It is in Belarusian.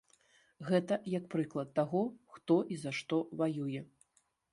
Гэта як прыклад таго, хто і за што ваюе.